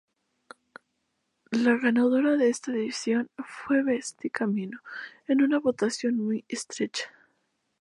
La ganadora de esta edición fue Betsy Camino, en una votación muy estrecha.